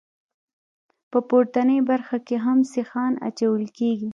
په پورتنۍ برخه کې هم سیخان اچول کیږي